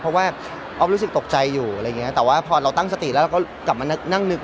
เพราะว่าอ๊อฟรึกสิตกใจอยู่แต่พอเราตั้งสติแล้วกลับมานั่งนึก